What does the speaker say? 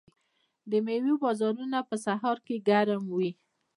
د میوو بازارونه په سهار کې ګرم وي.